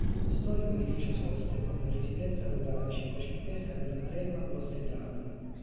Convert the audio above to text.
Lo storico edificio sorse come residenza rurale cinquecentesca della Maremma grossetana.